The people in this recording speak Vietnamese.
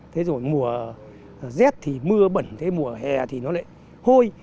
thế rồi mùa rét thì mưa bẩn thế mùa hè thì nó lại hôi